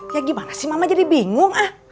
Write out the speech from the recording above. ya gimana sih mama jadi bingung ah